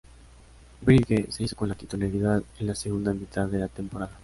Bridge se hizo con la titularidad en la segunda mitad de la temporada.